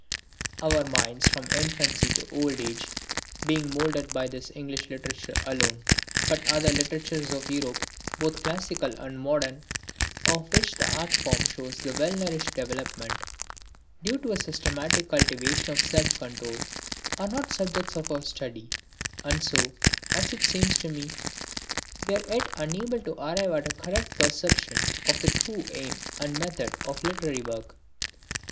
Our minds from infancy to old age are being moulded by this English literature alone. But other literatures of Europe, both classical and modern, of which the art form shows the well nourished development due to a systematic cultivation of self control, are not subjects of our study; and so, as it seems to me, we are yet unable to arrive at a correct perception of the true aim and method of literary work.